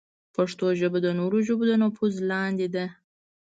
پښتو ژبه د نورو ژبو د نفوذ لاندې ده.